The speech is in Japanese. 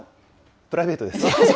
プライベートです。